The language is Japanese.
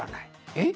「えっ！